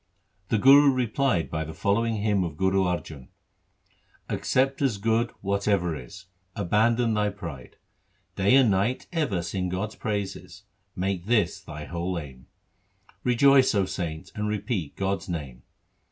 The Guru replied by the following hymn of Guru Arjan :— Accept as good whatever is ; Abandon thy pride ; Day and night ever sing God's praises : Make this thy whole aim. Rejoice, 0 saint, and repeat God's name.